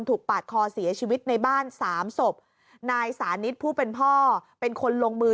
ปาดคอเสียชีวิตในบ้านสามศพนายสานิทผู้เป็นพ่อเป็นคนลงมือ